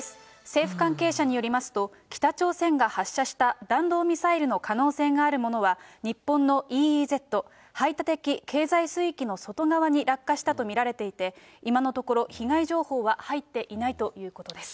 政府関係者によりますと、北朝鮮が発射した弾道ミサイルの可能性があるものは、日本のＥＥＺ・排他的経済水域の外側に落下したと見られていて、今のところ、被害情報は入っていないということです。